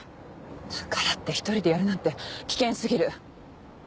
だからって１人でやるなんて危険過ぎる。